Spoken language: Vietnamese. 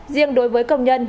riêng đối với công nhân